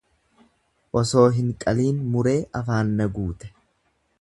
Osoo hin qaliin muree afaan na guute.